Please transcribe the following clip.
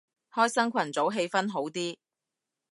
開新群組氣氛好啲